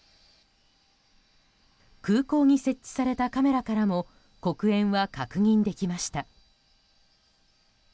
空港に設置されたカメラからも黒煙は確認できました。